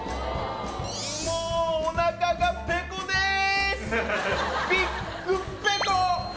もうおなかがペコです！